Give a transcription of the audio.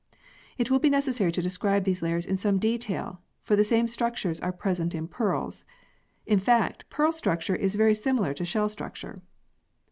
It will be necessary to describe these layers in some detail, for the same structures are present in pearls. In fact, pearl structure is very similar to shell structure.